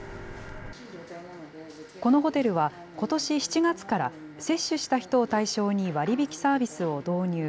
このホテルは、ことし７月から、接種した人を対象に割引サービスを導入。